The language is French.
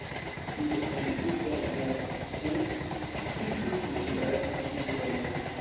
Ils ne desservant donc que peu de villages ou de hameaux.